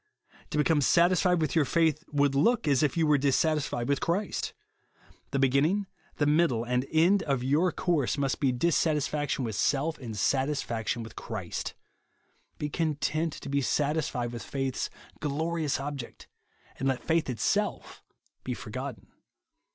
To become satis fied with your faith, would look as if you were dissatisfied with Christ. The begin ning, the middle, and end of your course, 176 JESUS ONLY. must be dissatisfaction ^ith self and satisfac tion with Christ. Be content to be satisfied with faith's glorious object, and let faith it self be forgotten.